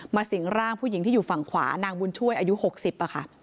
สิ่งร่างผู้หญิงที่อยู่ฝั่งขวานางบุญช่วยอายุ๖๐ค่ะ